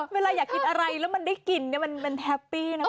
เวลาอยากกินอะไรแล้วมันได้กินมันแฮปปี้นะคุณ